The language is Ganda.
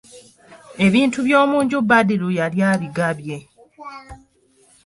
Ebintu by'omunju Badru yali abigabye.